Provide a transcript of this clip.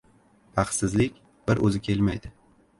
• Baxtsizlik bir o‘zi kelmaydi.